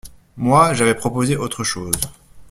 Moi, j’avais proposé autre chose.